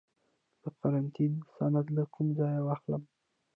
د قرنطین سند له کوم ځای واخلم؟